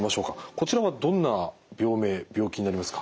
こちらはどんな病名病気になりますか？